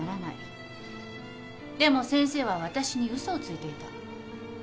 でも先生は私に嘘をついていた。